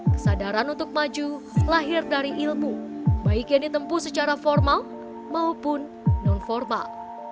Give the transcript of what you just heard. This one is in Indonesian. kesadaran untuk maju lahir dari ilmu baik yang ditempuh secara formal maupun non formal